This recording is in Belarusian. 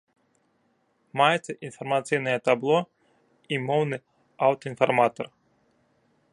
Маецца інфармацыйнае табло і моўны аўтаінфарматар.